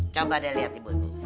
coba deh lihat ibu ibu